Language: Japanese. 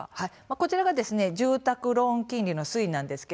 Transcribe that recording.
こちらが住宅ローンの金利の推移です。